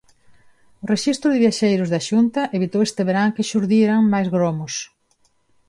O rexistro de viaxeiros da Xunta evitou este verán que xurdiran máis gromos.